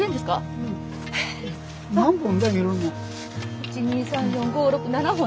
１２３４５６７本です。